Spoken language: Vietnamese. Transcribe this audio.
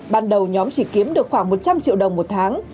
ban đầu nhóm chỉ kiếm được khoảng một trăm linh triệu đồng một tháng